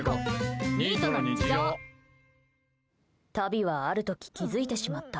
タビはある時気づいてしまった。